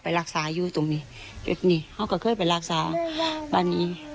ที่ทั้งคนอีอยิมนี่